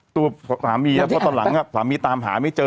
ตัวสามีตอนหลังอ่ะสามีตามหาไม่เจอ